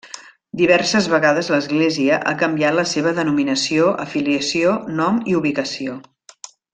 Diverses vegades l'església ha canviat la seva denominació, afiliació, nom i ubicació.